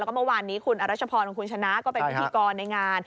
แล้วก็เมื่อวานนี้คุณอรัชพรคุณชนะก็เป็นพิธีกรในงาน